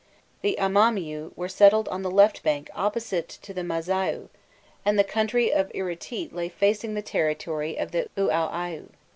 The Amamiu were settled on the left bank opposite to the Mâzaiû, and the country of Iritît lay facing the territory of the Uaûaiu.